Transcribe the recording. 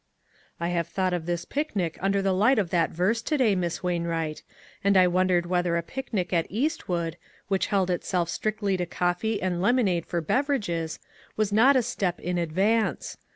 "I have thought of this picnic under the light of that verse to day, Miss Wainwright, and I wondered whether a picnic at East wood, which held itself strictly to coffee and lemonade for beverages, was not a step in advance.